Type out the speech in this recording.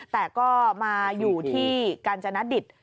แต่ก็มาอยู่ที่กาญจนดิต